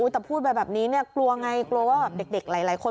แต่พูดแบบนี้กลัวไงกลัวว่าเด็กหลายคน